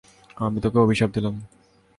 আমি তোকে অভিশাপ দিলাম।